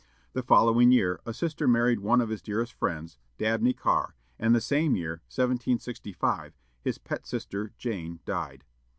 The following year, a sister married one of his dearest friends, Dabney Carr; and the same year, 1765, his pet sister, Jane, died.